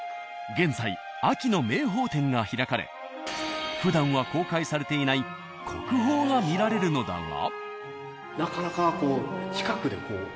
現在秋の名宝展が開かれふだんは公開されていない国宝が見られるのだが。